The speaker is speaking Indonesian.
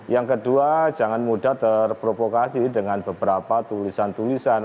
yang kedua jangan mudah terprovokasi dengan beberapa tulisan tulisan